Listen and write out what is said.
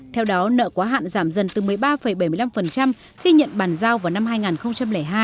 theo đó nợ quá hạn giảm dần từ một mươi ba bảy mươi năm khi nhận bàn giao vào năm hai nghìn hai